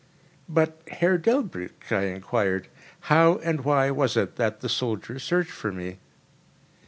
"But Herr DelbrĂĽck," I enquired, "how and why was it that the soldiers searched for me?"